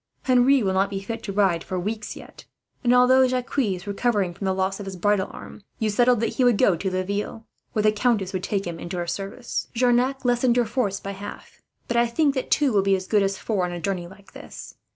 Henri will not be fit to ride for weeks, yet; and although Jacques is recovering from the loss of his bridle arm, you settled that he was to go to Laville, where the countess would take him into her service. Jarnac lessened your force by half; but I think that two will be as good as four, on a journey like this.